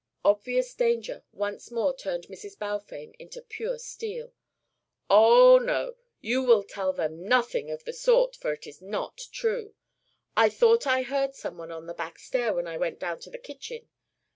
Obvious danger once more turned Mrs. Balfame into pure steel. "Oh, no; you will tell them nothing of the sort, for it is not true. I thought I heard some one on the back stairs when I went down to the kitchen.